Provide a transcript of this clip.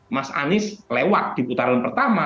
mas anies lewat di putaran pertama